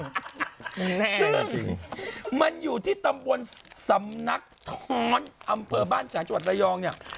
จริงมันอยู่ที่ตำบลสำนักท้อนอำเภอบ้านฉางจังหวัดระยองเนี่ย